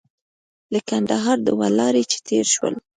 له کندهار دوه لارې چې تېر شولو.